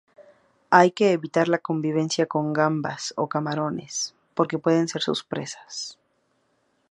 Hay que evitar la convivencia con gambas o camarones, porque pueden ser sus presas.